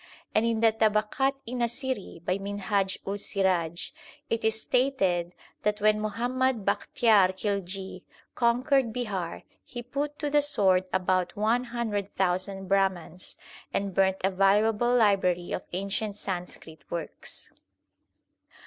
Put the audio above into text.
And in the Tabaqat i Nasiri by Minhaj ul Siraj it is stated that when Muhammad Bakhtyar Khilji conquered Bihar he put to the sword about one hundred thousand Brahmans, and burnt a valuable library of ancient Sanskrit works.